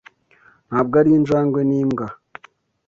Ntabwo ari injangwe. Ni imbwa.